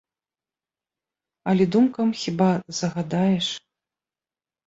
Але думкам хіба загадаеш?